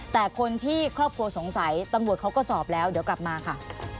แต่คนที่ครอบครัวสงสัยตำรวจเขาก็สอบแล้วเดี๋ยวกลับมาค่ะ